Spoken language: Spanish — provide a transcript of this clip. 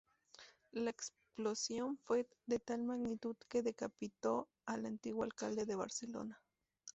La explosión fue de tal magnitud que decapitó al antiguo alcalde de Barcelona.